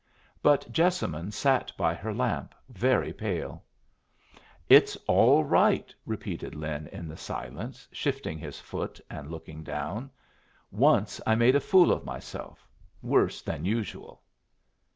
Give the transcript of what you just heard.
But Jessamine sat by her lamp, very pale. "It's all right," repeated Lin in the silence, shifting his foot and looking down. "Once I made a fool of myself. Worse than usual."